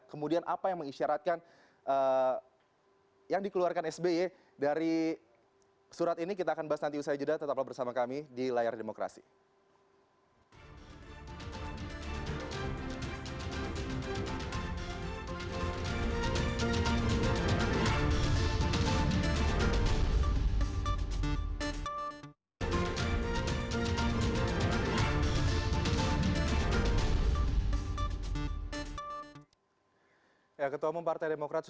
kemudian apa yang mengisyaratkan yang dikeluarkan sbi dari surat ini kita akan bahas nanti usai jeda tetaplah bersama kami di layar demokrasi